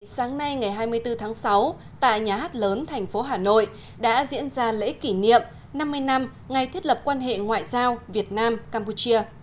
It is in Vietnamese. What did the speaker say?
sáng nay ngày hai mươi bốn tháng sáu tại nhà hát lớn thành phố hà nội đã diễn ra lễ kỷ niệm năm mươi năm ngày thiết lập quan hệ ngoại giao việt nam campuchia